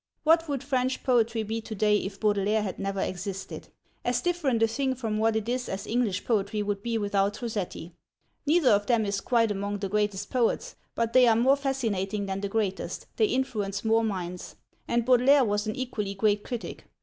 What would French poetry be to day if Baudelaire had never existed? As different a thing from what it is as English poetry would be without Rossetti. Neither of them is quite among the greatest poets, but they are more fascinating than the greatest, they influence more minds. And Baudelaire was an equally great critic.